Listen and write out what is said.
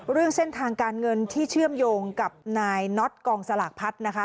เรื่องเส้นทางการเงินที่เชื่อมโยงกับนายน็อตกองสลากพัฒน์นะคะ